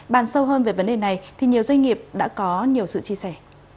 bàn sâu hơn về vấn đề này thì nhiều doanh nghiệp đã có nhiều sự chia sẻ